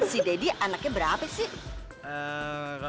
si deddy anaknya berapa sih